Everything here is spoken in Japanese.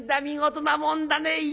見事なもんだね」。